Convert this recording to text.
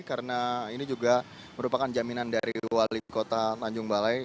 karena ini juga merupakan jaminan dari wali kota tanjung balai